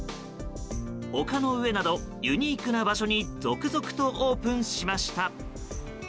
丘の上など、ユニークな場所に続々とオープンしました。